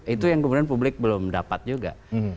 itu yang kemudian publik belum dapat juga